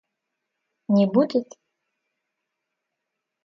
Не будет?